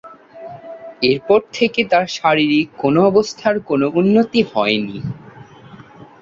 এরপর থেকে তার শারীরিক অবস্থার কোনো উন্নতি হয়নি।